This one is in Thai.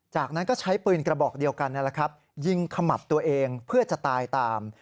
จากนั้นก็ใช้ปืนกระบอกเดียวกันนั่นแหละครับยิงขมับตัวเองเพื่อจะตายตาม